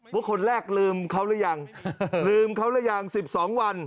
คนแรกลืมเขาหรือยังลืมเขาหรือยัง๑๒วัน